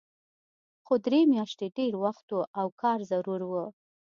خو درې میاشتې ډېر وخت و او کار ضرور و